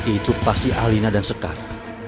itu pasti alina dan sekat